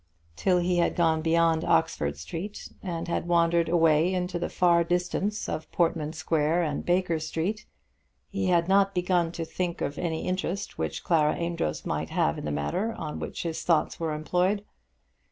Till he had gone beyond Oxford Street, and had wandered away into the far distance of Portman Square and Baker Street, he had not begun to think of any interest which Clara Amedroz might have in the matter on which his thoughts were employed.